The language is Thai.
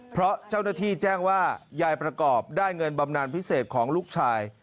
เพราะเจ้าหน้าที่แจ้งว่ายายประกอบได้เงินบำนานพิเศษของลูกชาย